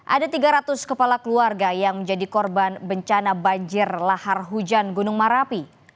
ada tiga ratus kepala keluarga yang menjadi korban bencana banjir lahar hujan gunung merapi